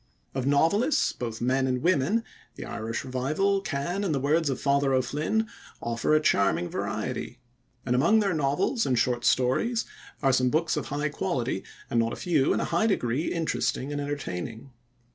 Of novelists, both men and women, the Irish Revival can, in the words of "Father O'Flynn", offer a charming variety, and among their novels and short stories are some books of high quality and not a few in a high degree interesting and entertaining.